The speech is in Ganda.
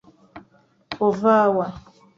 Ova wa?